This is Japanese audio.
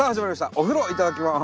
「お風呂いただきます」。